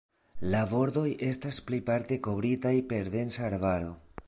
La bordoj estas plejparte kovritaj per densa arbaro.